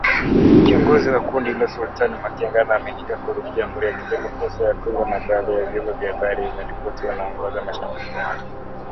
Kiongozi wa kundi hilo, Sultani Makenga anaaminika kurudi Jamhuri ya Kidemokrasia ya Kongo na badhi ya vyombo vya habari vimeripoti anaongoza mashambulizi mapya